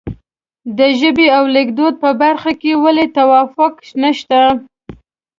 د ژبې او لیکدود په برخه کې ولې توافق نشته.